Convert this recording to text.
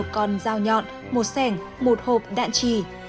một con dao nhọn một sẻng một hộp đạn trì